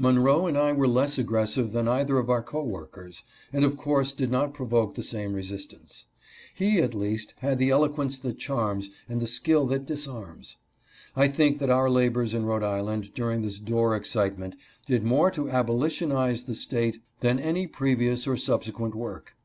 ^#""Monroe and I were less aggressive than either of our co workers, and of course did not provoke the same resistance. He, at least, had the eloquence that charms, and the skill that disarms. I think that our labors in Rhode Island during this Dorr excitement did more to COLORED MEN PROSCRIBED. 275 abolitionize the State than any previous or subsequent work.